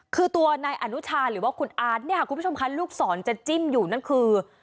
คือตัวนายอนุชาหรือว่าคุณอาร์ตเนี่ยค่ะคุณผู้ชมคะลูกศรจะจิ้มอยู่นั่นคือ